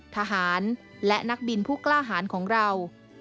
ทหารและนักบินผู้กล้าหารของเรา